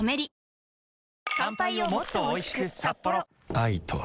愛とは